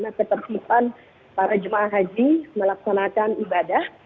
kemana ketepitan para jemaah haji melaksanakan ibadah